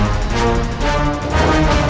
aku akan menangkapmu